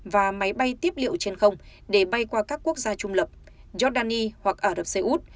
và máy bay tiếp liệu trên không để bay qua các quốc gia trung lập jordani hoặc ả rập xê út